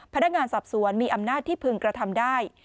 พนักงานสอบสวนมีอำนาจที่พึงกระทำได้